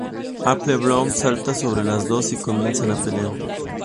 Apple Bloom salta sobre las dos y comienzan a pelear.